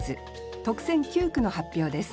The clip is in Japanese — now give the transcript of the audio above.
特選九句の発表です。